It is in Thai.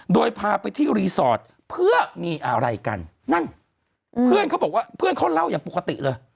โดยพาไปที่รีสอร์ทเพื่อมีอะไรกันนั่นเพื่อนเขาบอกว่าเพื่อนเขาเล่าอย่างปกติเลย